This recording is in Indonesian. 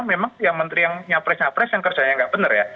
memang yang menteri yang nyapres nyapres yang kerjanya nggak benar ya